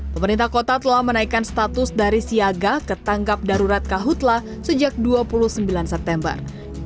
pemerintah kota telah menaikkan status dari siaga ke tanggap darurat kahutla sejak dua puluh sembilan september